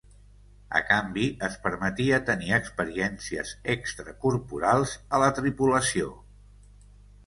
A canvi, es permetia tenir experiències extracorporals a la tripulació.